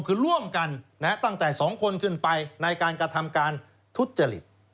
คือร่วมกันตั้งแต่๒คนขึ้นไปในการกระทำการทุจริต